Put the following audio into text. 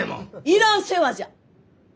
いらん世話じゃ！